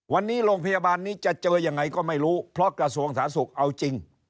วันนี้โรงพยาบาลนี้จะเจอยังไงก็ไม่รู้เพราะกระทรวงสาธารณสุขเอาจริง